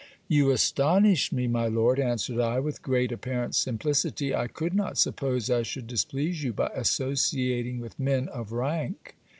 'You astonish me, my Lord,' answered I, with great apparent simplicity; 'I could not suppose I should displease you by associating with men of rank.'